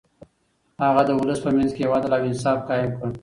هغه د ولس په منځ کې يو عدل او انصاف قايم کړ.